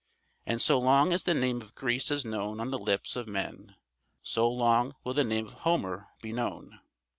And so long as the name of Greece is known on the lips of men, so long will the name of Homer be known.